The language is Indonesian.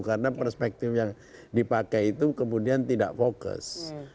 karena perspektif yang dipakai itu kemudian tidak fokus